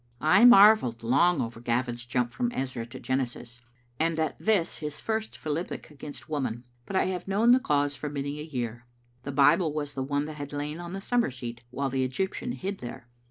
I marvelled long over Gavin's jump from Ezra to Genesis, and at this his first philippic against Woman, but I have known the cause for many a year. The Bible was the one that had lain on the summer seat while the Egyptian hid there.